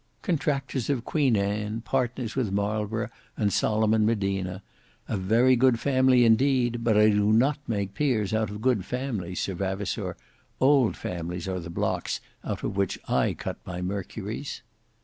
"Contractors of Queen Anne: partners with Marlborough and Solomon Medina; a very good family indeed: but I do not make peers out of good families, Sir Vavasour; old families are the blocks out of which I cut my Mercurys."